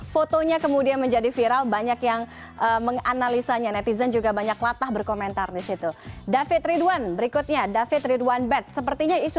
fotonya kemudian menjadi viral banyak yang menganalisanya netizen juga banyak latah berkomentar di situ